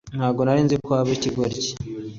ntago narinzi ko waba ikigoryi